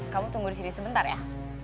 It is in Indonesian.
kamu tunggu disini sebentar ya